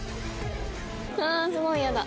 ああすごい嫌だ。